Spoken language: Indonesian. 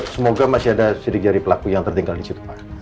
semoga masih ada sidik jari pelaku yang tertinggal di situ pak